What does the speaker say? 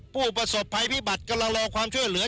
ผู้ประสบพัยผิบัตรกระโลกความช่วยเหลือ